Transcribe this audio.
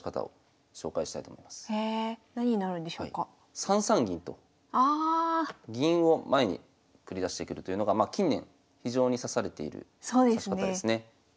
３三銀と銀を前に繰り出してくるというのが近年非常に指されている指し方ですね。